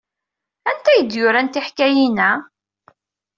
Anta ay d-yuran tiḥkayin-a?